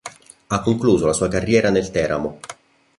Ha concluso la sua carriera nel Teramo.